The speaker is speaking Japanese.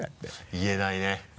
言えないね